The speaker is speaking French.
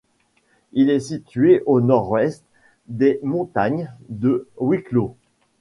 Il est situé au nord-est des montagnes de Wicklow.